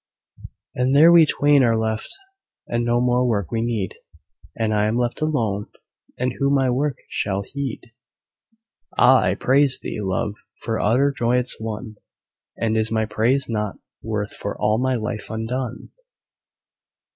And there we twain are left, and no more work we need: "And I am left alone, and who my work shall heed?" Ah! I praise thee, Love, for utter joyance won! "And is my praise nought worth for all my life undone?"